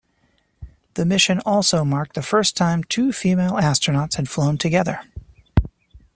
The mission also marked the first time two female astronauts had flown together.